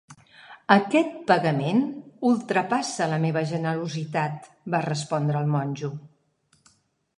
"Aquest pagament ultrapassa la meva generositat", va respondre el monjo.